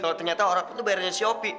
kalau ternyata orang itu bayarnya shopee